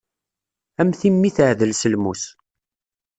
A mm timmi teɛdel s lmus.